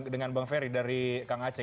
dengan bang ferry dari kang aceh